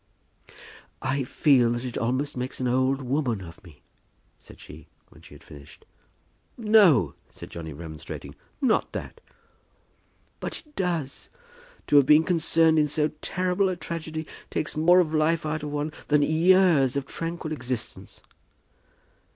"I feel that it almost makes an old woman of me," said she, when she had finished. "No," said Johnny, remonstrating; "not that." "But it does. To have been concerned in so terrible a tragedy takes more of life out of one than years of tranquil existence."